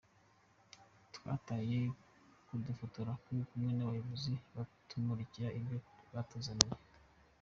Twatahiye kudufotora turi kumwe n’abayobozi batumurikira ibyo batuzaniye.